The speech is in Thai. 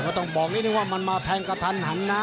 ไม่ต้องบอกว่ามันจะแทนกะทันทางนะ